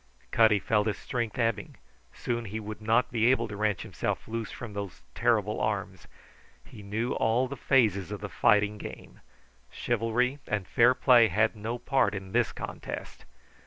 Cutty felt his strength ebbing; soon he would not be able to wrench himself loose from those terrible arms. He knew all the phases of the fighting game. Chivalry and fair play had no part in this contest.